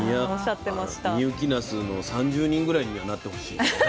深雪なすの３０人ぐらいにはなってほしいよね。